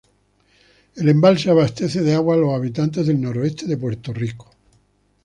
El embalse abastece de agua a los habitantes del noroeste de Puerto Rico.